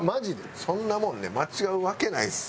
そんなもんね間違うわけないです。